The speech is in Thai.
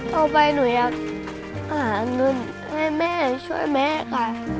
เอาไปหนูอยากหาเงินให้แม่ช่วยแม่ค่ะ